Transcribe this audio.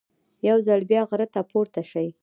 یو ځل بیا غره ته پورته شي.